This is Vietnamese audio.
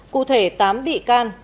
cụ thể tám bị can